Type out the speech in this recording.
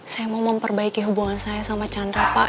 saya mau memperbaiki hubungan saya sama chandra pak